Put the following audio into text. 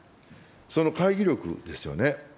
その会議録ですよね。